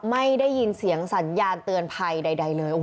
ไม่ได้ยินเสียงสัญญาณเตือนภัยใดเลย